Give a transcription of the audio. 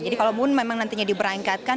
jadi kalau ibu memang nantinya diberangkatkan